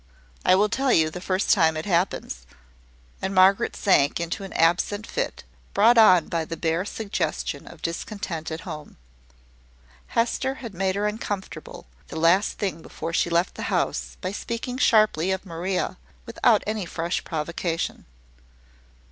"I will tell you, the first time it happens." And Margaret sank into an absent fit, brought on by the bare suggestion of discontent at home. Hester had made her uncomfortable, the last thing before she left the house, by speaking sharply of Maria, without any fresh provocation.